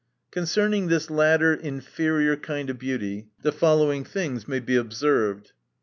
Concerning this latter, inferior kind of beauty, the following things may be observed : 1.